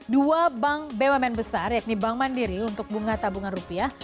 dua bank bumn besar yakni bank mandiri untuk bunga tabungan rupiah